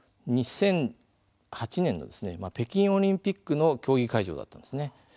２００８年北京オリンピックの競技会場だったんです。